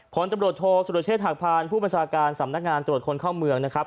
ผลตำรวจโทษสุรเชษฐหักพานผู้บัญชาการสำนักงานตรวจคนเข้าเมืองนะครับ